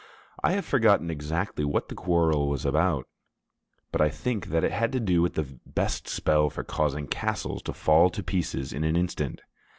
I have forgotten exactly what the quarrel was about, but I think that it had to do with the best spell for causing castles to fall to pieces in an instant.